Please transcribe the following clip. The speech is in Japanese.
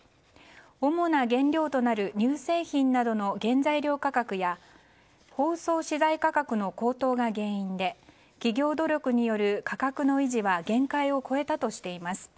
主な原料となる乳製品などの原材料価格や包装資材価格の高騰が原因で企業努力による価格の維持は限界を超えたとしています。